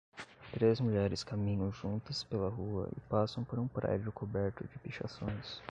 Três mulheres caminham juntas pela rua e passam por um prédio coberto de pichações.